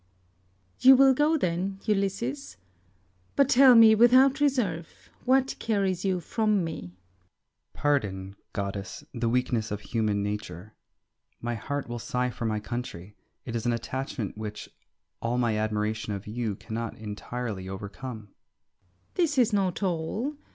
Circe. You will go then, Ulysses, but tell me, without reserve, what carries you from me? Ulysses. Pardon, goddess, the weakness of human nature. My heart will sigh for my country. It is an attachment which all my admiration of you cannot entirely overcome. Circe. This is not all.